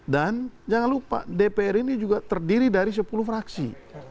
dan jangan lupa dpr ini juga terdiri dari sepuluh fraksi